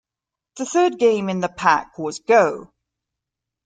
The third game in the pack was Go!